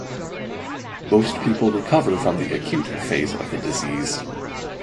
Most people recover from the acute phase of the disease.